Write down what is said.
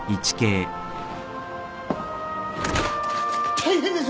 大変です！